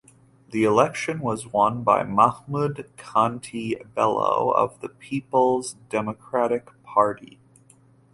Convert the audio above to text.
The election was won by Mahmud Kanti Bello of the Peoples Democratic Party.